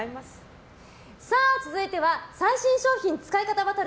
続いて最新商品使い方バトル！